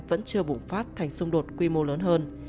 vẫn chưa bùng phát thành xung đột quy mô lớn hơn